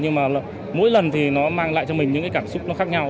nhưng mà mỗi lần thì nó mang lại cho mình những cái cảm xúc nó khác nhau